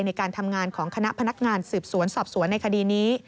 ในการทำงานของคณะพนักงานสืบสวนสอบสวนในคดีนี้